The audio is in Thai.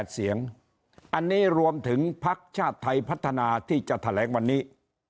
เสียงอันนี้รวมถึงพักชาติไทยพัฒนาที่จะแถลงวันนี้